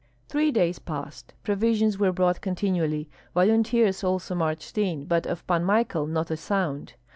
Three days passed. Provisions were brought continually, volunteers also marched in, but of Pan Michael not a sound.